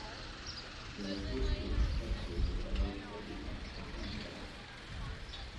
The district headquarters are located at Bhandara.